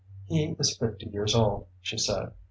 "He is fifty years old," she said.